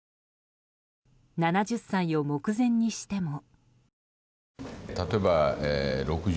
７０歳を目前にしても。